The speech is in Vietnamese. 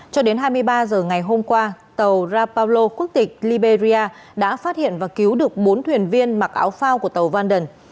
cho đến hai mươi ba h ngày hôm qua tàu rapallo quốc tịch liberia đã phát hiện và cứu được bốn thuyền viên mặc áo phao của tàu vanden